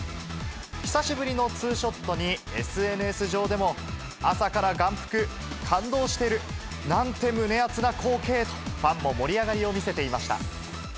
久しぶりのツーショットに、ＳＮＳ上でも、朝から眼福、感動してる、なんて胸熱な光景と、ファンも盛り上がりを見せていました。